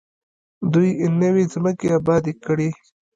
دوی نوې ځمکې ابادې کړې.